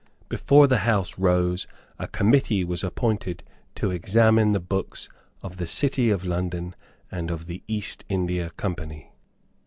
Before the House rose a committee was appointed to examine the books of the City of London and of the East India Company.